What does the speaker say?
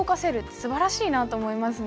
すばらしいなと思いますね。